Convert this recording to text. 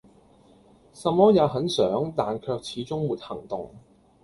什麼也很想但卻始終沒行動